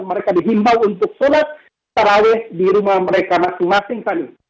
mereka dihimbau untuk sholat taraweh di rumah mereka masing masing fani